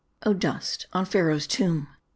oh, dust on Pharaoh's tomb !